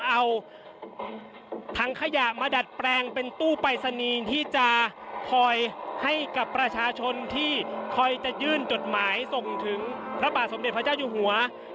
เอาถังขยะมาดัดแปลงเป็นตู้ปรายศนีย์ที่จะคอยให้กับประชาชนที่คอยจะยื่นจดหมายส่งถึงพระบาทสมเด็จพระเจ้าอยู่หัว